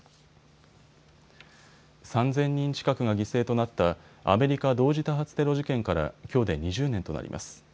３０００人近くが犠牲となったアメリカ同時多発テロ事件からきょうで２０年となります。